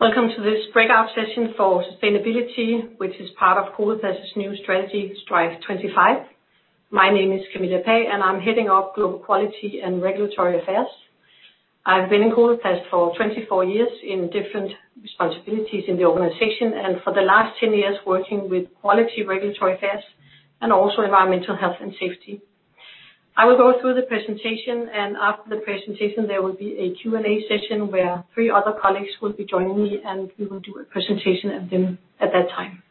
Welcome to this breakout session for sustainability, which is part of Coloplast's new strategy, Strive25. My name is Camilla Pagh, and I'm heading up Global Quality and Regulatory Affairs. I've been in Coloplast for 24 years in different responsibilities in the organization, and for the last 10 years working with quality regulatory affairs and also environmental health and safety. I will go through the presentation, and after the presentation, there will be a Q&A session where three other colleagues will be joining me, and we will do a presentation of them at that time.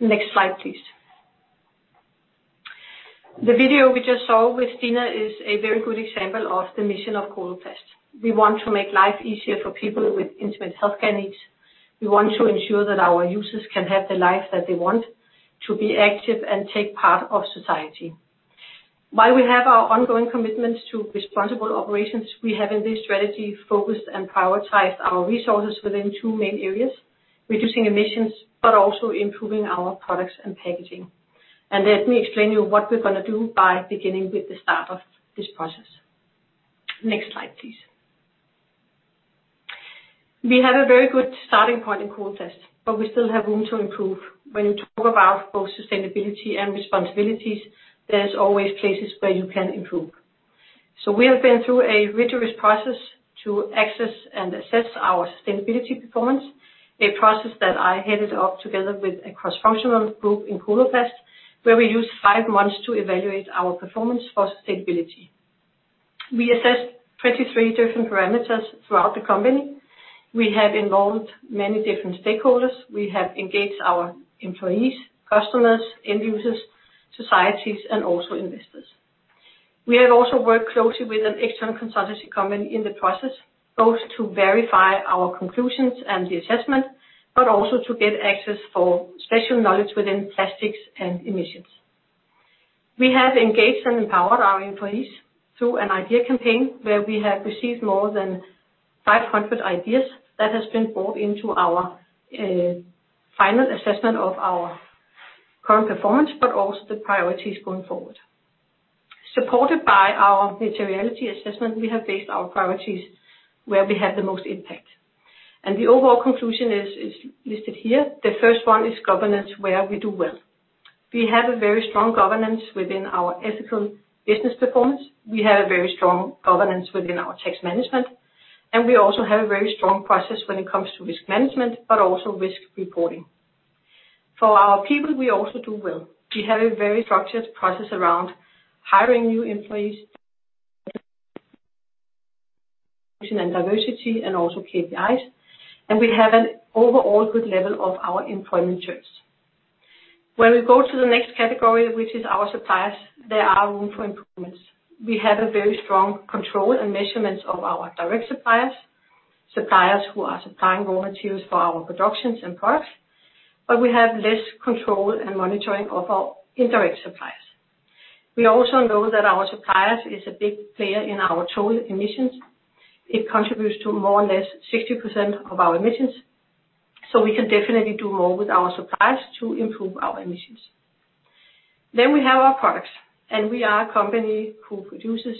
Next slide, please. The video we just saw with Tina is a very good example of the mission of Coloplast. We want to make life easier for people with intimate health care needs. We want to ensure that our users can have the life that they want, to be active and take part of society. While we have our ongoing commitment to responsible operations, we have, in this strategy, focused and prioritized our resources within two main areas, reducing emissions but also improving our products and packaging. Let me explain to you what we're going to do by beginning with the start of this process. Next slide, please. We have a very good starting point in Coloplast, but we still have room to improve. When you talk about both sustainability and responsibilities, there's always places where you can improve. We have been through a rigorous process to access and assess our sustainability performance. A process that I headed up together with a cross-functional group in Coloplast, where we used five months to evaluate our performance for sustainability. We assessed 23 different parameters throughout the company. We have involved many different stakeholders. We have engaged our employees, customers, end users, societies, and also investors. We have also worked closely with an external consultancy company in the process, both to verify our conclusions and the assessment, but also to get access for special knowledge within plastics and emissions. We have engaged and empowered our employees through an idea campaign where we have received more than 500 ideas that has been brought into our final assessment of our current performance, but also the priorities going forward. Supported by our materiality assessment, we have based our priorities where we have the most impact. The overall conclusion is listed here. The first one is governance, where we do well. We have a very strong governance within our ethical business performance. We have a very strong governance within our tax management, and we also have a very strong process when it comes to risk management but also risk reporting. For our people, we also do well. We have a very structured process around hiring new employees and diversity and also KPIs. We have an overall good level of our employment terms. We go to the next category, which is our suppliers, there are room for improvements. We have a very strong control and measurements of our direct suppliers who are supplying raw materials for our productions and products. We have less control and monitoring of our indirect suppliers. We also know that our suppliers is a big player in our total emissions. It contributes to more or less 60% of our emissions. We can definitely do more with our suppliers to improve our emissions. We have our products. We are a company who produces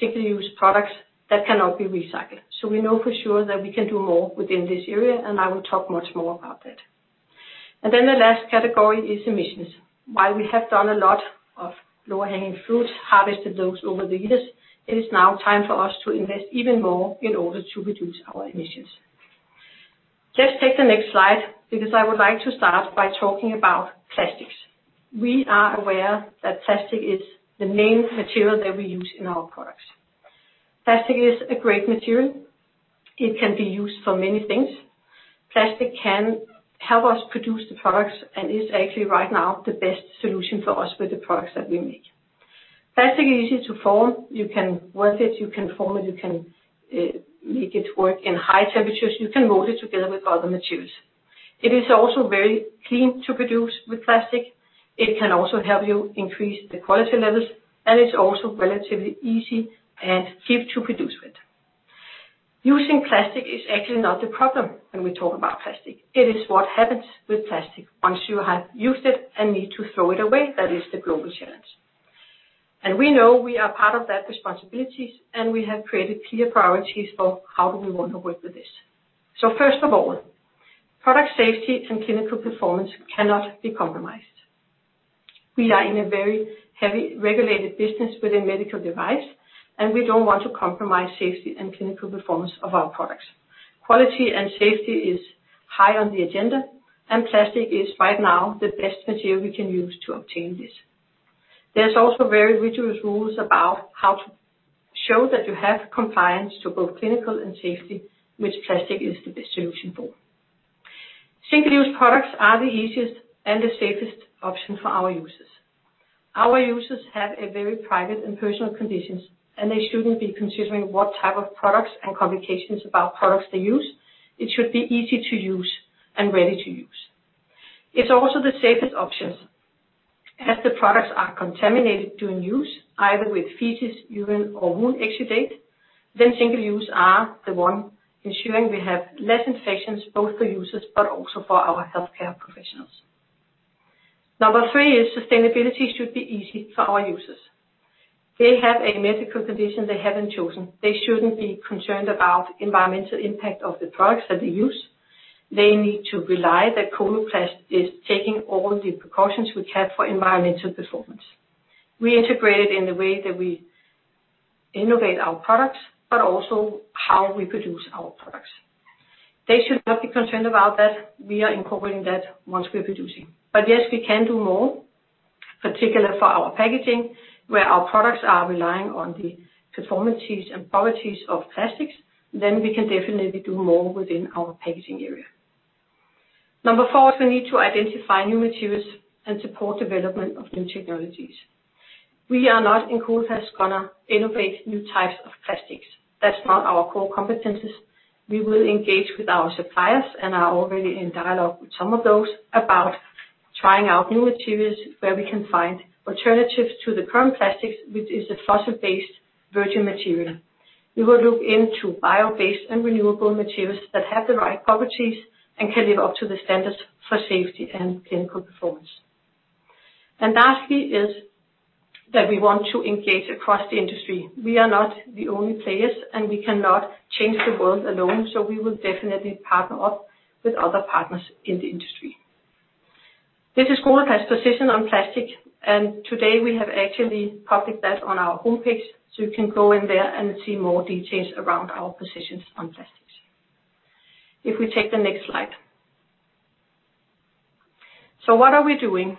single-use products that cannot be recycled. We know for sure that we can do more within this area, and I will talk much more about that. The last category is emissions. While we have done a lot of lower-hanging fruit, harvested those over the years, it is now time for us to invest even more in order to reduce our emissions. Just take the next slide because I would like to start by talking about plastics. We are aware that plastic is the main material that we use in our products. Plastic is a great material. It can be used for many things. Plastic can help us produce the products and is actually right now the best solution for us with the products that we make. Plastic is easy to form. You can work it, you can form it, you can make it work in high temperatures. You can mold it together with other materials. It is also very clean to produce with plastic. It can also help you increase the quality levels, and it's also relatively easy and cheap to produce with. Using plastic is actually not the problem when we talk about plastic. It is what happens with plastic once you have used it and need to throw it away that is the global challenge. We know we are part of that responsibility, and we have created clear priorities for how do we want to work with this. First of all, product safety and clinical performance cannot be compromised. We are in a very heavy regulated business with a medical device, and we don't want to compromise safety and clinical performance of our products. Quality and safety is high on the agenda, and plastic is right now the best material we can use to obtain this. There's also very rigorous rules about how to show that you have compliance to both clinical and safety, which plastic is the best solution for. Single-use products are the easiest and the safest option for our users. Our users have a very private and personal conditions, and they shouldn't be considering what type of products and complications about products they use. It should be easy to use and ready to use. It's also the safest option. As the products are contaminated during use, either with feces, urine, or wound exudate, then single use is the one ensuring we have less infections both for users but also for our healthcare professionals. Number three is sustainability should be easy for our users. They have a medical condition they haven't chosen. They shouldn't be concerned about environmental impact of the products that they use. They need to rely that Coloplast is taking all the precautions we can for environmental performance. We integrate it in the way that we innovate our products, but also how we produce our products. They should not be concerned about that. We are incorporating that once we're producing. Yes, we can do more, particularly for our packaging, where our products are relying on the performances and properties of plastics, then we can definitely do more within our packaging area. Number four is we need to identify new materials and support development of new technologies. We are not, in Coloplast, going to innovate new types of plastics. That's not our core competencies. We will engage with our suppliers and are already in dialogue with some of those about trying out new materials where we can find alternatives to the current plastics, which is a fossil-based virgin material. We will look into bio-based and renewable materials that have the right properties and can live up to the standards for safety and clinical performance. Lastly is that we want to engage across the industry. We are not the only players, and we cannot change the world alone, so we will definitely partner up with other partners in the industry. This is Coloplast's position on plastic, and today we have actually published that on our homepage, so you can go in there and see more details around our positions on plastics. If we take the next slide. What are we doing?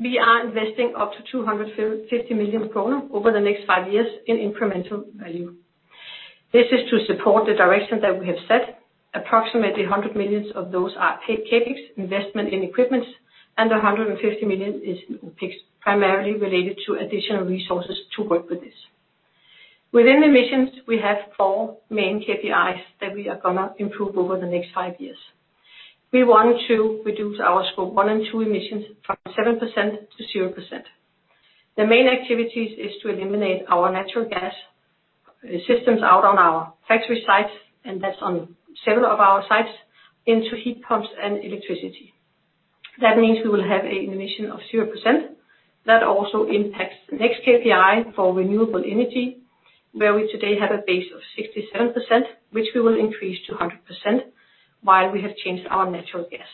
We are investing up to 250 million kroner over the next five years in incremental value. This is to support the direction that we have set. Approximately 100 million of those are CapEx investment in equipments, and 150 million is primarily related to additional resources to work with this. Within emissions, we have four main KPIs that we are going to improve over the next five years. We want to reduce our Scope 1 and 2 emissions from 7% to 0%. The main activities is to eliminate our natural gas systems out on our factory sites, and that's on several of our sites, into heat pumps and electricity. That means we will have an emission of 0%. That also impacts the next KPI for renewable energy, where we today have a base of 67%, which we will increase to 100% while we have changed our natural gas.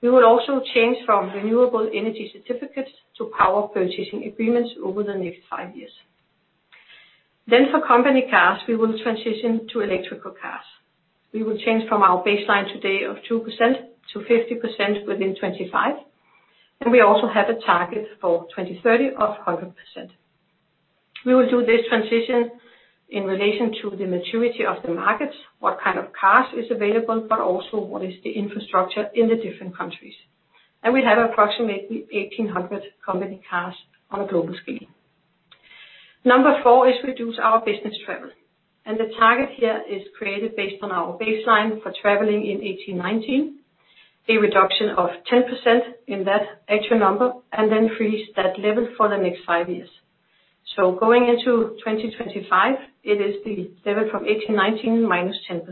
We will also change from renewable energy certificates to power purchase agreements over the next five years. For company cars, we will transition to electrical cars. We will change from our baseline today of 2% to 50% within 2025, and we also have a target for 2030 of 100%. We will do this transition in relation to the maturity of the markets, what kind of cars is available, but also what is the infrastructure in the different countries. We have approximately 1,800 company cars on a global scale. Number four is reduce our business travel. The target here is created based on our baseline for traveling in 2018-2019, a reduction of 10% in that actual number, and then freeze that level for the next five years. Going into 2025, it is the level from 2018-2019 minus 10%.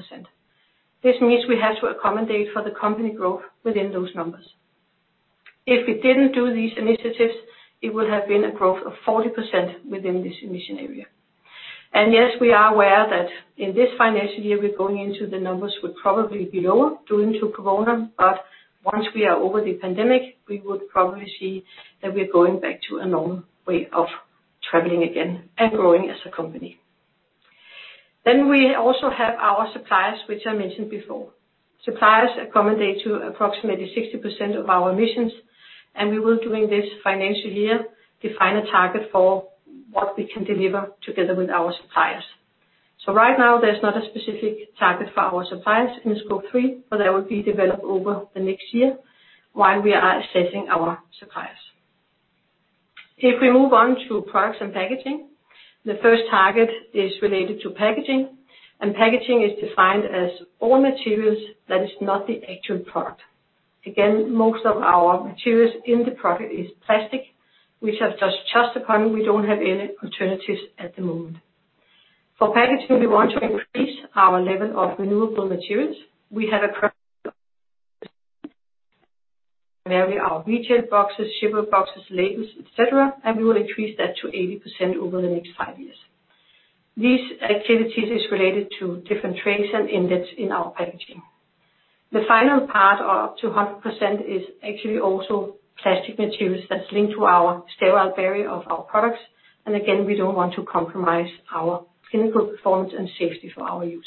This means we have to accommodate for the company growth within those numbers. If we didn't do these initiatives, it would have been a growth of 40% within this emission area. Yes, we are aware that in this financial year we're going into, the numbers will probably be lower due to COVID-19. Once we are over the pandemic, we would probably see that we're going back to a normal way of traveling again and growing as a company. We also have our suppliers, which I mentioned before. Suppliers accommodate to approximately 60% of our emissions, and we will, during this financial year, define a target for what we can deliver together with our suppliers. Right now, there's not a specific target for our suppliers in Scope 3, but that will be developed over the next year while we are assessing our suppliers. If we move on to products and packaging, the first target is related to packaging, and packaging is defined as all materials that is not the actual product. Again, most of our materials in the product is plastic, we don't have any alternatives at the moment. For packaging, we want to increase our level of renewable materials. We have a current. Mainly our retail boxes, shipper boxes, labels, et cetera, and we will increase that to 80% over the next five years. These activities is related to different trays and indents in our packaging. The final part of 20% is actually also plastic materials that's linked to our sterile barrier of our products. Again, we don't want to compromise our clinical performance and safety for our users.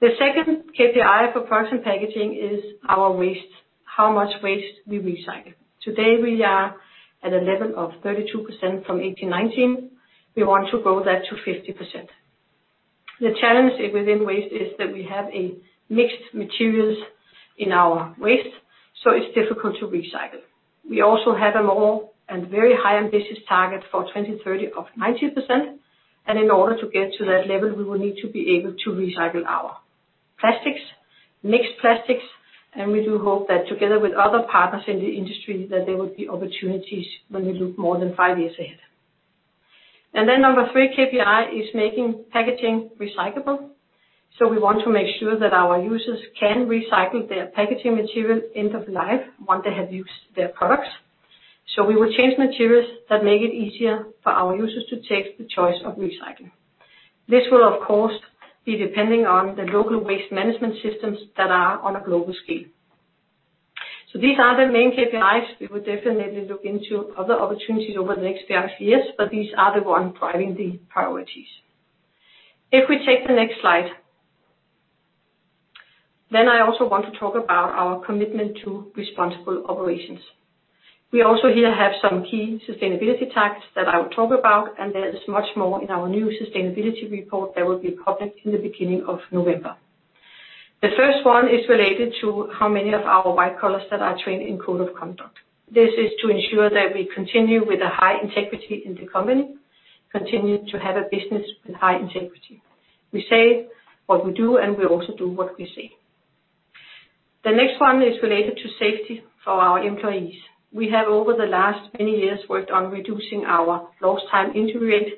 The second KPI for products and packaging is our waste, how much waste we recycle. Today, we are at a level of 32% from 2018-2019. We want to grow that to 50%. The challenge within waste is that we have mixed materials in our waste, so it's difficult to recycle. We also have a very high ambitious target for 2030 of 90%, and in order to get to that level, we will need to be able to recycle our plastics, mixed plastics, and we do hope that together with other partners in the industry, that there will be opportunities when we look more than five years ahead. Number three KPI is making packaging recyclable. We want to make sure that our users can recycle their packaging material end of life once they have used their products. We will change materials that make it easier for our users to take the choice of recycling. This will, of course, be depending on the local waste management systems that are on a global scale. These are the main KPIs. We will definitely look into other opportunities over the next few years, but these are the ones driving the priorities. If we take the next slide. I also want to talk about our commitment to responsible operations. We also here have some key sustainability targets that I will talk about, and there is much more in our new sustainability report that will be published in the beginning of November. The first one is related to how many of our white collars that are trained in code of conduct. This is to ensure that we continue with a high integrity in the company, continue to have a business with high integrity. We say what we do, and we also do what we say. The next one is related to safety for our employees. We have, over the last many years, worked on reducing our lost time injury rate,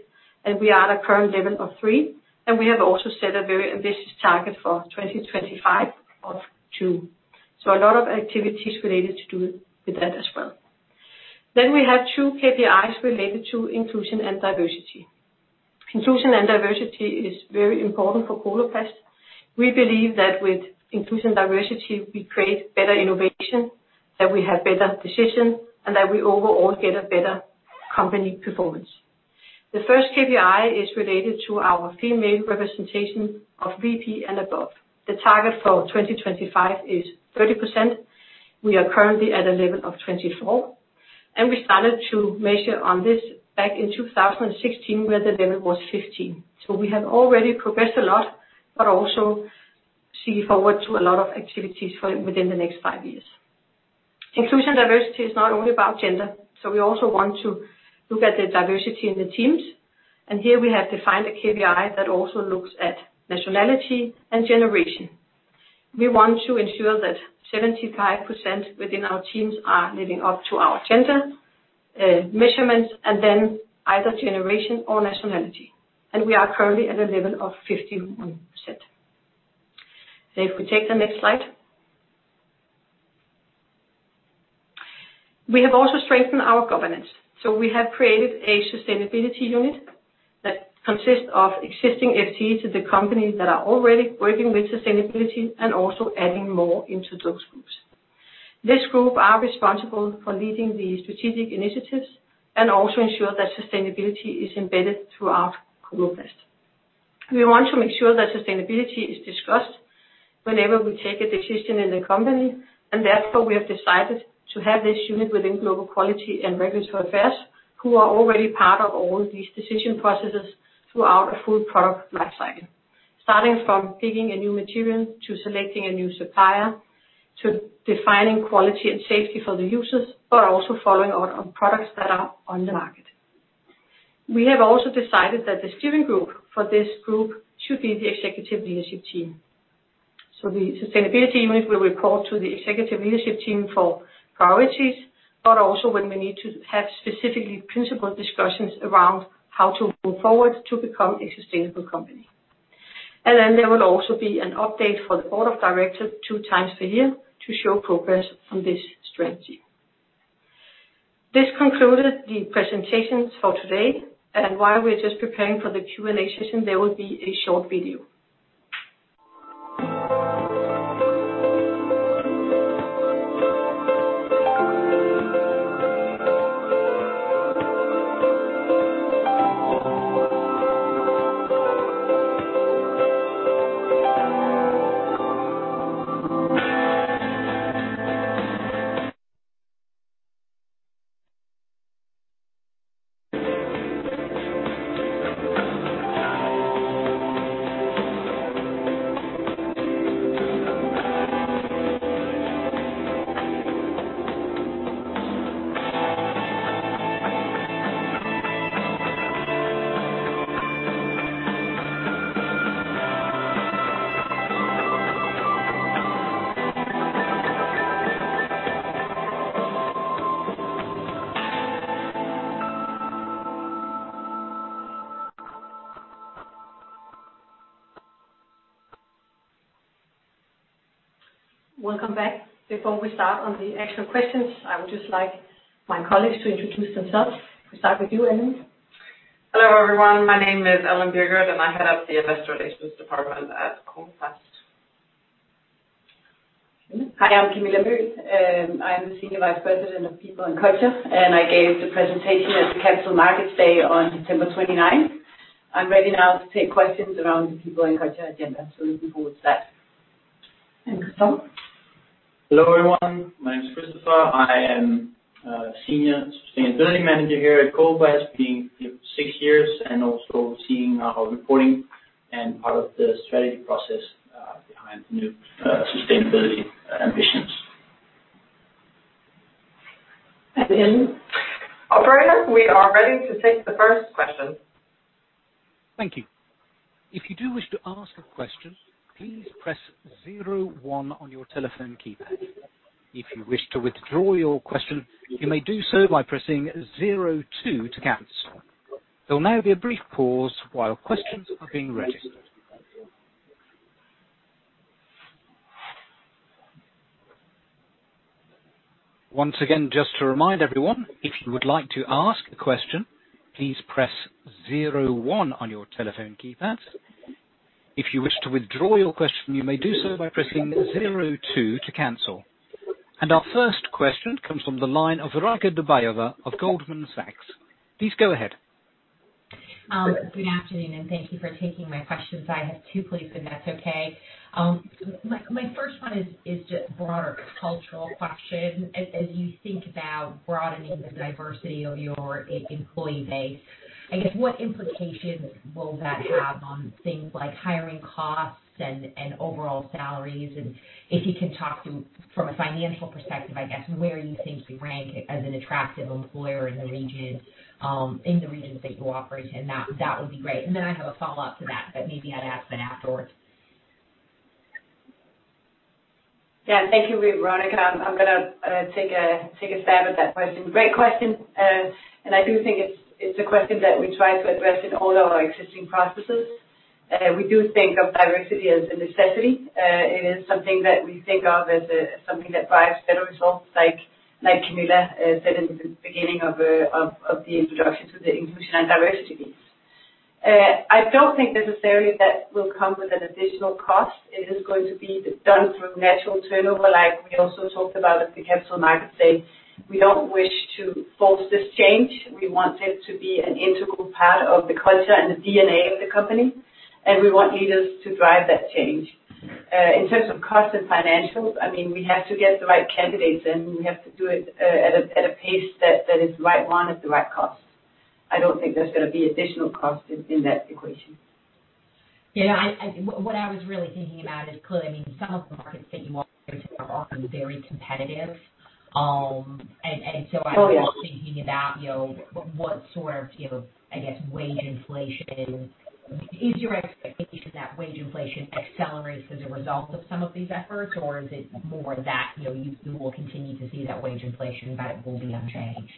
and we are at a current level of three, and we have also set a very ambitious target for 2025 of two. A lot of activities related to do with that as well. We have two KPIs related to inclusion and diversity. Inclusion and diversity is very important for Coloplast. We believe that with inclusion and diversity, we create better innovation, that we have better decisions, and that we overall get a better company performance. The first KPI is related to our female representation of VP and above. The target for 2025 is 30%. We are currently at a level of 24%, and we started to measure on this back in 2016, where the level was 15. We have already progressed a lot, but also see forward to a lot of activities within the next five years. Inclusion and diversity is not only about gender, we also want to look at the diversity in the teams, here we have defined a KPI that also looks at nationality and generation. We want to ensure that 75% within our teams are living up to our gender measurements either generation or nationality. We are currently at a level of 51%. If we take the next slide. We have also strengthened our governance. We have created a sustainability unit that consists of existing FTEs in the company that are already working with sustainability and also adding more into those groups. This group are responsible for leading the strategic initiatives and also ensure that sustainability is embedded throughout Coloplast. We want to make sure that sustainability is discussed whenever we take a decision in the company. That's why we have decided to have this unit within Global Quality and Regulatory Affairs, who are already part of all these decision processes throughout a full product lifecycle. Starting from picking a new material, to selecting a new supplier, to defining quality and safety for the users, but also following on products that are on the market. We have also decided that the steering group for this group should be the executive leadership team. The sustainability unit will report to the executive leadership team for priorities, but also when we need to have specifically principled discussions around how to move forward to become a sustainable company. There will also be an update for the Board of Directors two times per year to show progress on this strategy. This concluded the presentations for today. While we're just preparing for the Q&A session, there will be a short video. Welcome back. Before we start on the actual questions, I would just like my colleagues to introduce themselves. We start with you, Ellen. Hello, everyone. My name is Ellen Bjurgert, and I head up the Investor Relations department at Coloplast. Hi, I'm Camilla Møhl. I'm the Senior Vice President of People and Culture, and I gave the presentation at the Capital Markets Day on September 29th. I'm ready now to take questions around the People and Culture agenda, so looking forward to that. Thanks. Kristoffer? Hello, everyone. My name is Kristoffer. I am a Senior Sustainability Manager here at Coloplast, being six years and also seeing our reporting and part of the strategy process behind new sustainability ambitions. Ellen. Operator, we are ready to take the first question. Thank you. If you do wish to ask a question, please press zero one on your telephone keypad. If you wish to withdraw your question, you may do so by pressing zero two to cancel. There'll now be a brief pause while questions are being registered. Once again, just to remind everyone, if you would like to ask a question, please press zero one on your telephone keypad. If you wish to withdraw your question, you may do so by pressing zero two to cancel. Our first question comes from the line of Veronika Dubajova of Goldman Sachs. Please go ahead. Good afternoon. Thank you for taking my questions. I have two, please, if that's okay. My first one is just a broader cultural question. As you think about broadening the diversity of your employee base, I guess what implications will that have on things like hiring costs and overall salaries? If you can talk to, from a financial perspective, I guess, where you think you rank as an attractive employer in the regions that you operate in, that would be great. Then I have a follow-up to that, but maybe I'd ask that afterwards. Yeah. Thank you, Veronika. I'm going to take a stab at that question. Great question, and I do think it's a question that we try to address in all our existing processes. We do think of diversity as a necessity. It is something that we think of as something that drives better results, like Camilla said in the beginning of the introduction to the inclusion and diversity piece. I don't think this is an area that will come with an additional cost. It is going to be done through natural turnover. We also talked about at the Capital Markets Day, we don't wish to force this change. We want it to be an integral part of the culture and the DNA of the company, and we want leaders to drive that change. In terms of cost and financials, we have to get the right candidates in. We have to do it at a pace that is the right one at the right cost. I don't think there's going to be additional cost in that equation. Yeah. What I was really thinking about is, clearly, some of the markets that you operate in are often very competitive. Oh, yeah. I was thinking about what sort of wage inflation. Is your expectation that wage inflation accelerates as a result of some of these efforts, or is it more that you will continue to see that wage inflation, but it will be unchanged?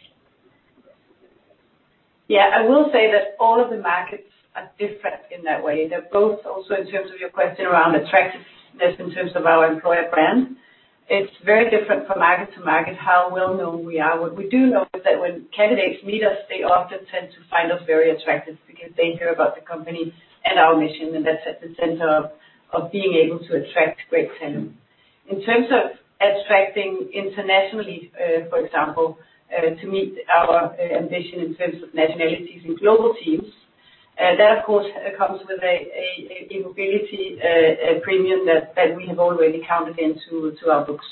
Yeah. I will say that all of the markets are different in that way. They're both also, in terms of your question around attractiveness in terms of our employer brand, it's very different from market to market how well-known we are. What we do know is that when candidates meet us, they often tend to find us very attractive because they hear about the company and our mission, and that's at the center of being able to attract great talent. In terms of attracting internationally, for example, to meet our ambition in terms of nationalities in global teams, that, of course, comes with a mobility premium that we have already counted into our books.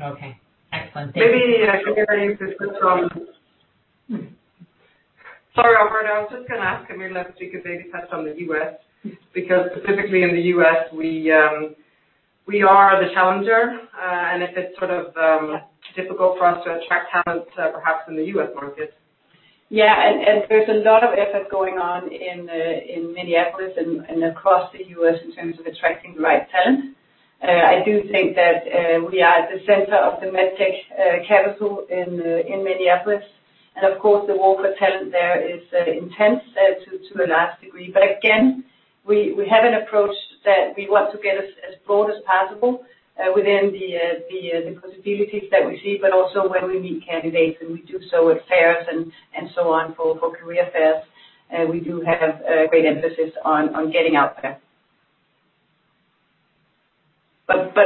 Okay. Excellent. Thank you. Maybe I could get an input. Sorry, operator. I was just going to ask Camilla if she could maybe touch on the U.S., because specifically in the U.S., we are the challenger. If it's sort of difficult for us to attract talent perhaps in the U.S. market? Yeah. There's a lot of effort going on in Minneapolis and across the U.S. in terms of attracting the right talent. I do think that we are at the center of the MedTech capital in Minneapolis, and of course, the war for talent there is intense to a large degree. Again, we have an approach that we want to get as broad as possible within the possibilities that we see, but also when we meet candidates, and we do so at fairs and so on for career fairs. We do have a great emphasis on getting out there.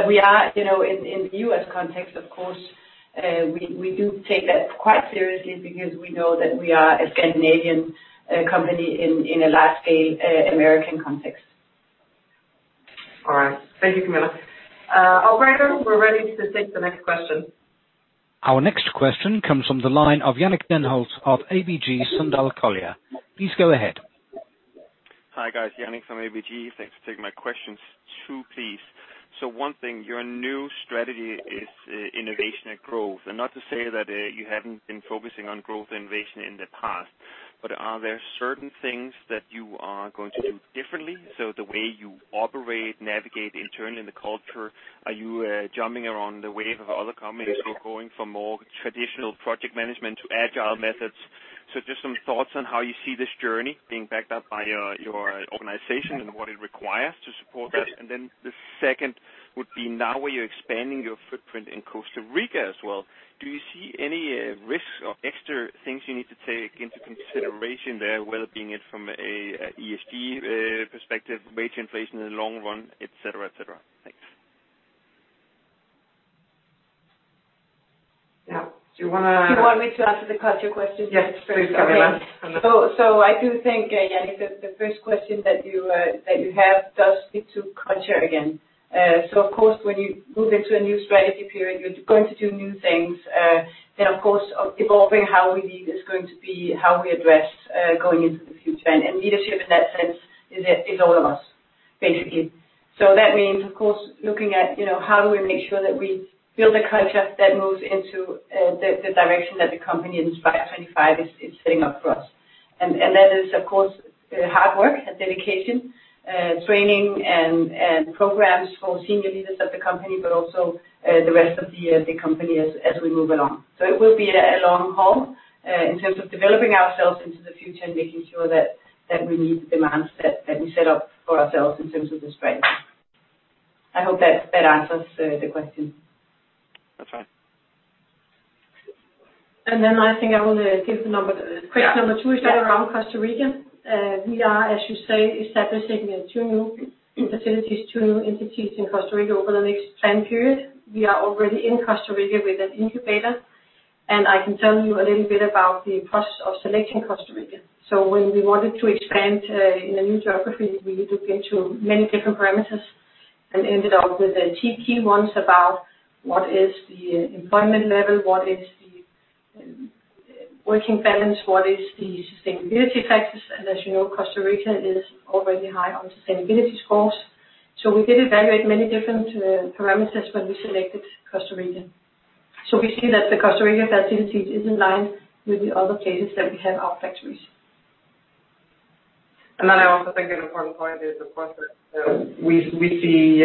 We are in the U.S. context, of course, we do take that quite seriously because we know that we are a Scandinavian company in a large scale American context. All right. Thank you, Camilla. Operator, we are ready to take the next question. Our next question comes from the line of Jannick Denholt of ABG Sundal Collier. Please go ahead. Hi, guys. Jannick from ABG. Thanks for taking my questions. Two, please. One thing, your new strategy is innovation and growth. Not to say that you haven't been focusing on growth innovation in the past, but are there certain things that you are going to do differently? The way you operate, navigate internally in the culture, are you jumping around the wave of other companies or going for more traditional project management to agile methods? Just some thoughts on how you see this journey being backed up by your organization and what it requires to support that. The second would be now where you're expanding your footprint in Costa Rica as well, do you see any risks or extra things you need to take into consideration there, whether being it from an ESG perspective, wage inflation in the long run, et cetera? Thanks. Now, do you want to? Do you want me to answer the culture question first? Yes, please, Camilla. I do think, Jannick, that the first question that you have does speak to culture again. Of course, when you move into a new strategy period, you're going to do new things. Of course, evolving how we lead is going to be how we address going into the future. Leadership in that sense is all of us. Basically. That means, of course, looking at how do we make sure that we build a culture that moves into the direction that the company Strive25 is setting up for us. That is, of course, hard work and dedication, training and programs for senior leaders of the company, but also the rest of the company as we move along. It will be a long haul in terms of developing ourselves into the future and making sure that we meet the demands that we set up for ourselves in terms of the strength. I hope that answers the question. That's fine. I think I will give the number. Question number two is around Costa Rica. We are, as you say, establishing two new facilities, two new entities in Costa Rica over the next planned period. We are already in Costa Rica with an incubator, and I can tell you a little bit about the process of selecting Costa Rica. When we wanted to expand in a new geography, we looked into many different parameters and ended up with the key ones about what is the employment level, what is the working balance, what is the sustainability factors, and as you know, Costa Rica is already high on sustainability scores. We did evaluate many different parameters when we selected Costa Rica. We see that the Costa Rica facilities is in line with the other places that we have our factories. I also think an important point is, of course, that we've seen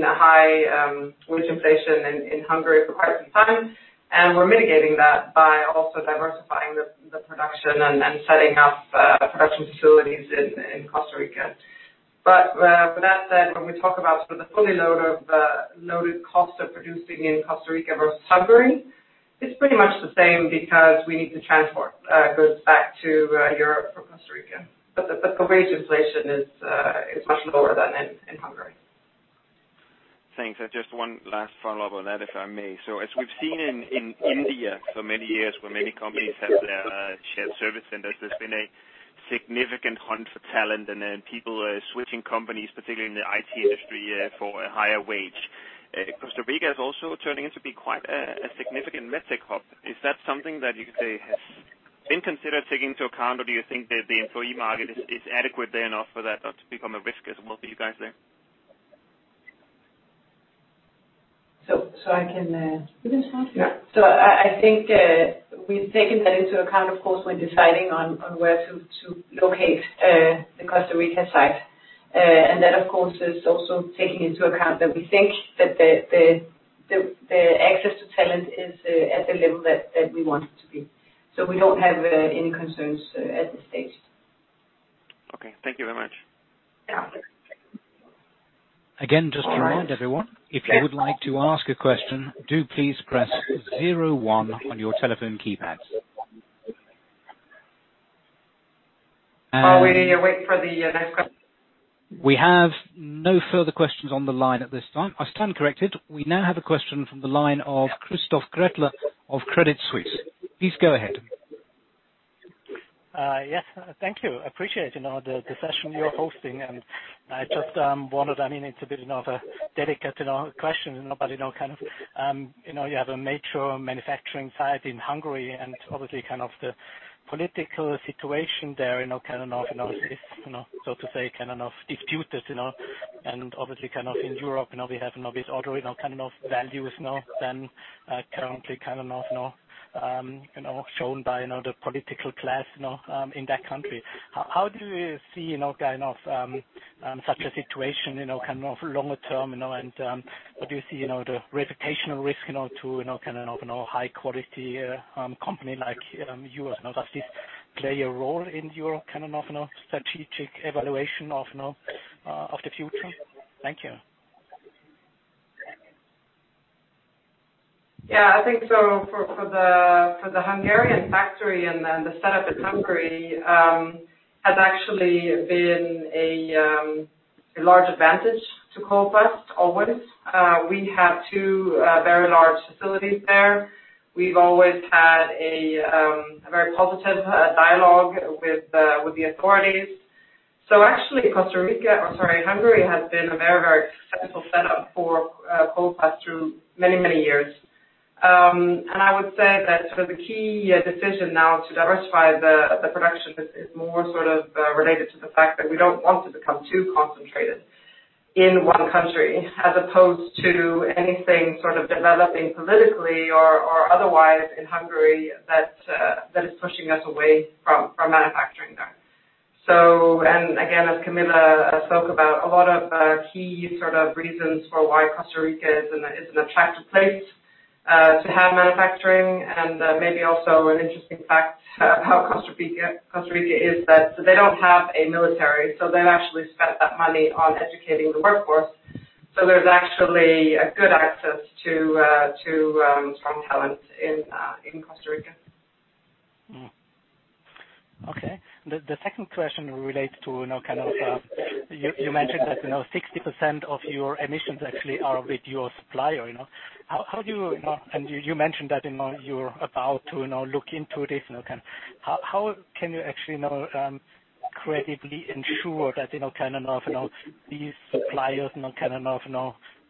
high wage inflation in Hungary for quite some time, and we're mitigating that by also diversifying the production and setting up production facilities in Costa Rica. With that said, when we talk about sort of the fully loaded cost of producing in Costa Rica versus Hungary, it's pretty much the same because we need to transport goods back to Europe from Costa Rica. The wage inflation is much lower than in Hungary. Thanks. Just one last follow-up on that, if I may. As we've seen in India for many years, where many companies have their shared service centers, there's been a significant hunt for talent and people switching companies, particularly in the IT industry, for a higher wage. Costa Rica is also turning out to be quite a significant MedTech hub. Is that something that you could say has been considered taking into account, or do you think that the employee market is adequate there enough for that not to become a risk as well for you guys there? So I can- You can start. I think we've taken that into account, of course, when deciding on where to locate the Costa Rica site. That, of course, is also taking into account that we think that the access to talent is at the level that we want it to be. We don't have any concerns at this stage. Okay. Thank you very much. Yeah. Again, just to remind everyone, if you would like to ask a question, do please press zero one on your telephone keypads. While we await for the next question. We have no further questions on the line at this time. I stand corrected. We now have a question from the line of Christoph Gretler of Credit Suisse. Please go ahead. Yes. Thank you. Appreciate the session you are hosting, and I just wondered, it's a bit of a delicate question, but you have a mature manufacturing site in Hungary, and obviously, the political situation there is, so to say, disputed. Obviously, in Europe, we have obvious order in our kind of values now than currently shown by the political class in that country. How do you see such a situation longer term, and what do you see the reputational risk to a high quality company like yours? Does this play a role in your kind of strategic evaluation of the future? Thank you. Yeah, I think for the Hungarian factory and the setup in Hungary, has actually been a large advantage to Coloplast always. We have two very large facilities there. We've always had a very positive dialogue with the authorities. Actually, Hungary has been a very successful setup for Coloplast through many years. I would say that sort of the key decision now to diversify the production is more sort of related to the fact that we don't want to become too concentrated in one country as opposed to anything sort of developing politically or otherwise in Hungary that is pushing us away from manufacturing there. Again, as Camilla spoke about, a lot of key sort of reasons for why Costa Rica is an attractive place to have manufacturing, and maybe also an interesting fact about Costa Rica is that they don't have a military. They've actually spent that money on educating the workforce. There's actually a good access to strong talent in Costa Rica. Okay. The second question relates to, you mentioned that 60% of your emissions actually are with your supplier. You mentioned that you're about to look into this. How can you actually now credibly ensure these suppliers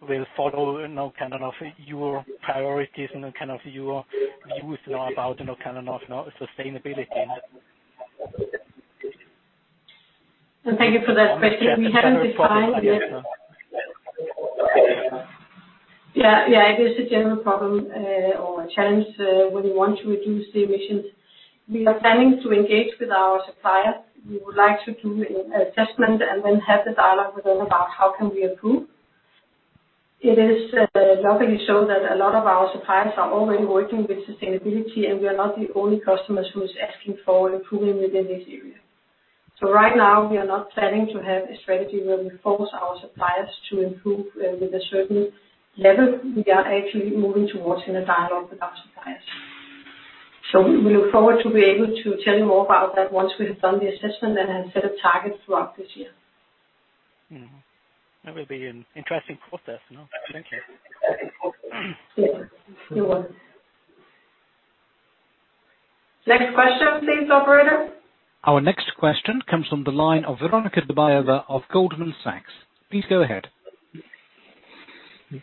will follow your priorities and your views about sustainability? Thank you for that question. We haven't defined yet. Yeah, it is a general problem or a challenge when you want to reduce the emissions. We are planning to engage with our suppliers. We would like to do an assessment and then have a dialogue with them about how can we improve. It is lovely to show that a lot of our suppliers are already working with sustainability, and we are not the only customers who is asking for improving within this area. Right now, we are not planning to have a strategy where we force our suppliers to improve with a certain level. We are actually moving towards in a dialogue with our suppliers. We look forward to be able to tell you more about that once we have done the assessment and have set a target throughout this year. That will be an interesting process. Thank you. Yes, it will. Next question please, operator. Our next question comes from the line of Veronika Dubajova of Goldman Sachs. Please go ahead.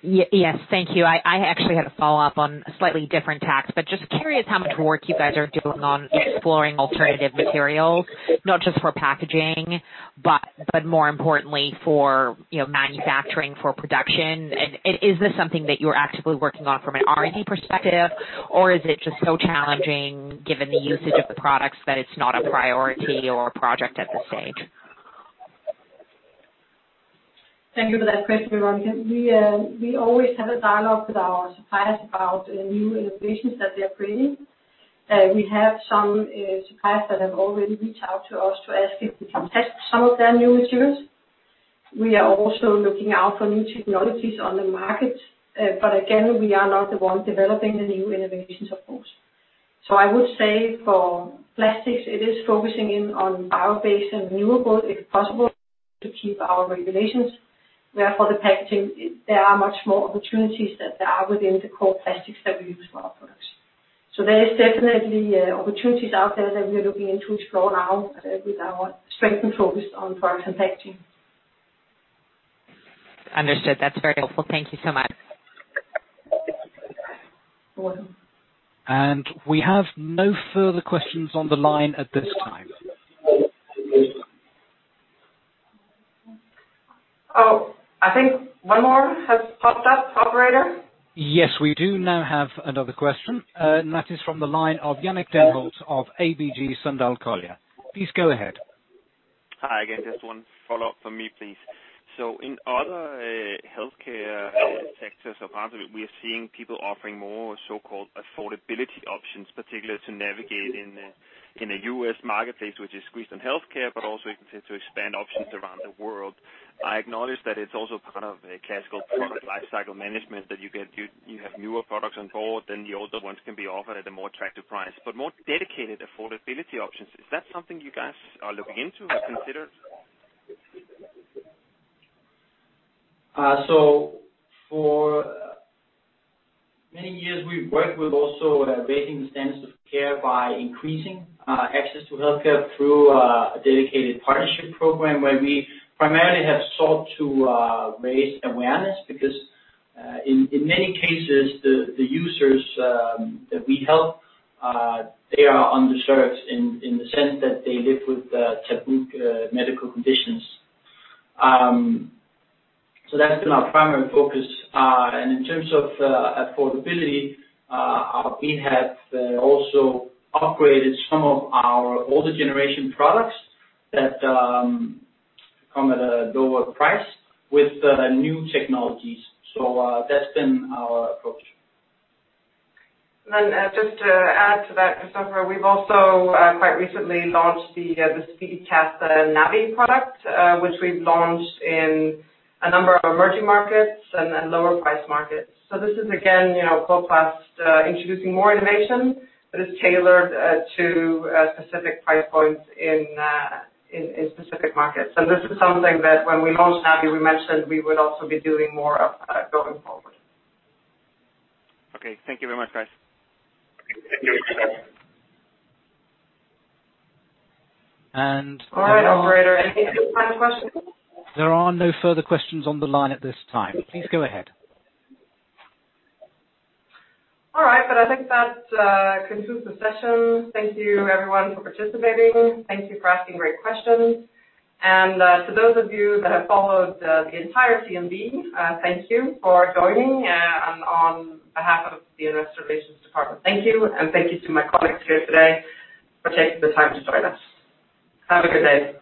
Yes. Thank you. I actually had a follow-up on a slightly different tack, but just curious how much work you guys are doing on exploring alternative materials, not just for packaging, but more importantly for manufacturing, for production. Is this something that you are actively working on from an R&D perspective, or is it just so challenging given the usage of the products that it's not a priority or a project at this stage? Thank you for that question, Veronika. We always have a dialogue with our suppliers about new innovations that they're creating. We have some suppliers that have already reached out to us to ask if we can test some of their new materials. We are also looking out for new technologies on the market. Again, we are not the ones developing the new innovations, of course. I would say for plastics, it is focusing in on bio-based and renewable, if possible, to keep our regulations. Where for the packaging, there are much more opportunities than there are within the core plastics that we use for our products. There is definitely opportunities out there that we are looking into explore now with our strengthened focus on products and packaging. Understood. That's very helpful. Thank you so much. Welcome. We have no further questions on the line at this time. Oh, I think one more has popped up, operator. Yes. We do now have another question, and that is from the line of Jannick Denholt of ABG Sundal Collier. Please go ahead. Hi again. Just one follow-up from me, please. In other healthcare sectors or parts of it, we are seeing people offering more so-called affordability options, particularly to navigate in the U.S. marketplace, which is squeezed on healthcare, but also to expand options around the world. I acknowledge that it's also part of a classical product lifecycle management that you have newer products on board, then the older ones can be offered at a more attractive price. More dedicated affordability options, is that something you guys are looking into or considered? For many years, we've worked with also raising the standards of care by increasing access to healthcare through a dedicated partnership program where we primarily have sought to raise awareness because, in many cases, the users that we help, they are underserved in the sense that they live with taboo medical conditions. In terms of affordability, we have also upgraded some of our older generation products that come at a lower price with the new technologies. That's been our approach. Just to add to that, Kristoffer, we've also quite recently launched the SpeediCath Navi product, which we've launched in a number of emerging markets and lower price markets. This is again, Coloplast introducing more innovation that is tailored to specific price points in specific markets. This is something that when we launched Navi, we mentioned we would also be doing more of going forward. Okay. Thank you very much, guys. Thank you. All right, operator. Any final questions? There are no further questions on the line at this time. Please go ahead. All right. I think that concludes the session. Thank you everyone for participating. Thank you for asking great questions. To those of you that have followed the entire CMD, thank you for joining. On behalf of the Investor Relations department, thank you, and thank you to my colleagues here today for taking the time to join us. Have a good day.